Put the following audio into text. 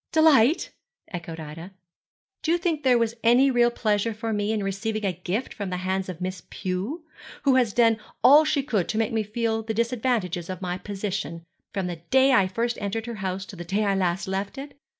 'Delight?' echoed Ida. 'Do you think there was any real pleasure for me in receiving a gift from the hands of Miss Pew, who has done all she could do to make me feel the disadvantages of my position, from the day I first entered her house to the day I last left it?